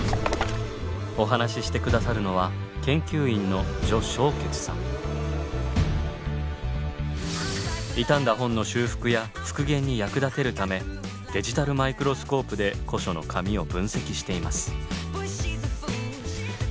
お話しして下さるのは傷んだ本の修復や復元に役立てるためデジタルマイクロスコープで古書の紙を分析しています。